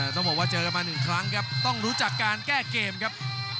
ต้องบอกว่าเจอกันมาหนึ่งครั้งครับต้องรู้จักการแก้เกมครับ